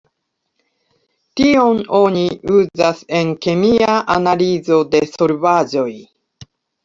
Tion oni uzas en kemia analizo de solvaĵoj.